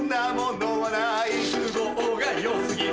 都合が良過ぎる